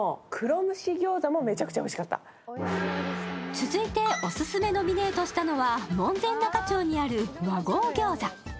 続いてオススメノミネートしたのは門前仲町にある和合餃子。